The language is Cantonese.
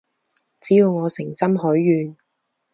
只要我誠心許願